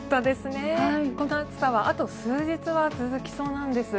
この暑さはあと数日は続きそうなんです。